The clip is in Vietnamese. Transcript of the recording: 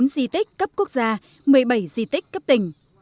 chín di tích cấp quốc gia một mươi bảy di tích cấp tỉnh